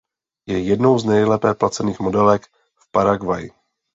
Je jednou z nejlépe placených modelek v Paraguayi.